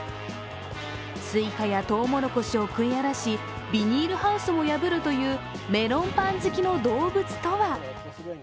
スイカやトウモロコシを食い荒らし、ビニールハウスも破るというメロンパン好きの動物とは？